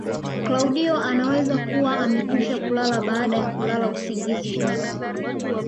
Klaudio anaweza kuwa amekwisha kulala baada ya kulala usingizi kwenye kalamu